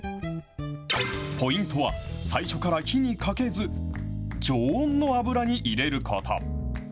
ポイントは最初から火にかけず、常温の油に入れること。